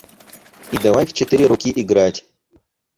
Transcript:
И давай в четыре руки играть.